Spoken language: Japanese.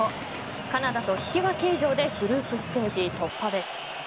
カナダと引き分け以上でグループステージ突破です。